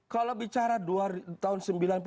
kalau bicara tahun sembilan puluh delapan